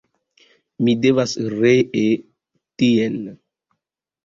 Mi devas ree tien.